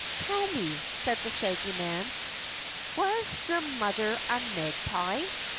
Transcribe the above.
"Tell me," said the Shaggy Man, "was your mother a magpie?"